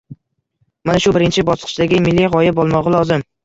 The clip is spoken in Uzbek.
Mana shu birinchi bosqichdagi milliy g‘oya bo‘lmog‘i lozim.